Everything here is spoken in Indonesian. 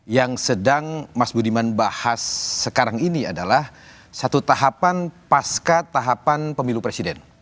yang sedang mas budiman bahas sekarang ini adalah satu tahapan pasca tahapan pemilu presiden